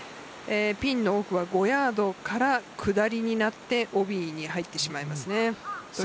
ピンの奥は５ヤードから下りになってＯＢに入ってしまいます。